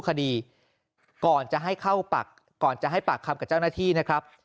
คดีก่อนจะให้เข้าปากก่อนจะให้ปากคำกับเจ้าหน้าที่นะครับ